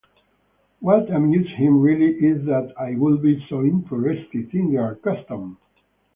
What amused him really is that I would be so interested in their custom.